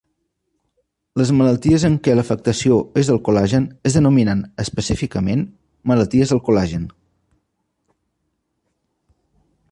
Les malalties en què l'afectació és del col·lagen es denominen, específicament, malalties del col·lagen.